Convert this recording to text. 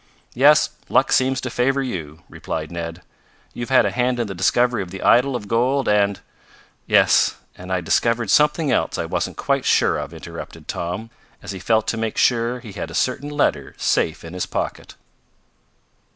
"Yes, luck seems to favor you," replied Ned. "You've had a hand in the discovery of the idol of gold, and " "Yes. And I discovered something else I wasn't quite sure of," interrupted Tom, as he felt to make sure he had a certain letter safe in his pocket.